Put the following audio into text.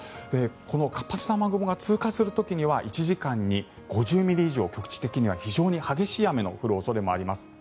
この活発な雨雲が通過する時には１時間に５０ミリ以上局地的には非常に激しい雨の降る恐れがあります。